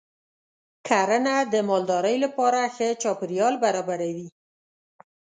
کرنه د مالدارۍ لپاره ښه چاپېریال برابروي.